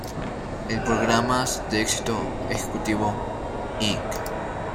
El Programas de Éxito Ejecutivo, Inc.